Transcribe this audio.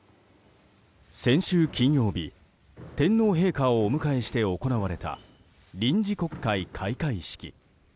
先週金曜日天皇陛下をお迎えして行われた臨時国会開会式。